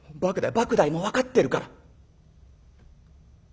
「ばく大も分かってるから」。